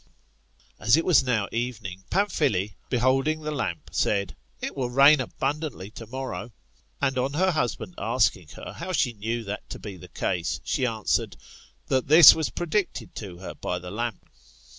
As it was now evening, Pamphile, beholding the lamp, said. It will rain abundantly tomorrow. And on her husband asking her how she knew that to be the case, she answered. That this was predicted to her by the lamp.